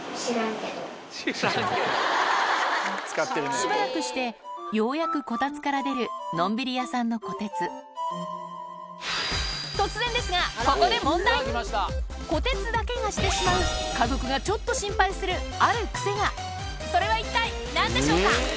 しばらくしてようやくこたつから出るのんびり屋さんのこてつ突然ですがこてつだけがしてしまう家族がちょっと心配するあるクセがそれは一体何でしょうか？